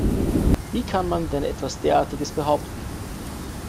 Wie kann man denn etwas Derartiges behaupten?